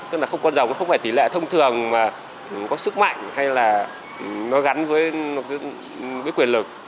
tức là không con rồng nó không phải tỷ lệ thông thường mà có sức mạnh hay là nó gắn với quyền lực